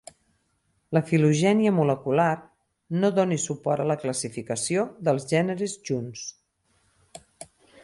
La filogènia molecular no dóna suport a la classificació dels gèneres junts.